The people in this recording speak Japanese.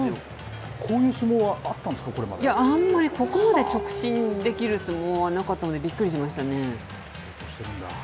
こういう相撲はあったんですいや、あんまりここまで直進できる相撲はなかったので、びっくりしましたね。